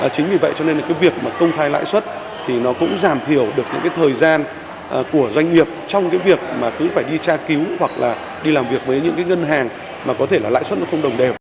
chính vì vậy việc công khai lãi xuất cũng giảm thiểu được thời gian của doanh nghiệp trong việc đi tra cứu hoặc đi làm việc với những ngân hàng mà có thể lãi xuất không đồng đều